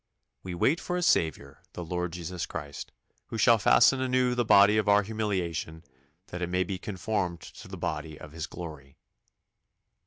"We wait for a Saviour, the Lord Jesus Christ: who shall fashion anew the body of our humiliation, that it may be conformed to the body of his glory."